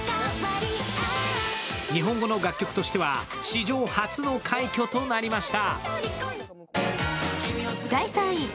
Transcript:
日本語の楽曲としては史上初の快挙となりました。